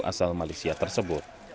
asal malaysia tersebut